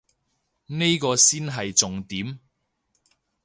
呢個先係重點